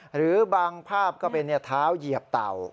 หรือบางภาพก็เป็นเท้าเหยียบเต่า